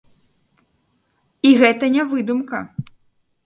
І гэта не выдумка.